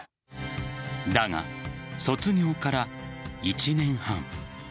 だが、卒業から１年半。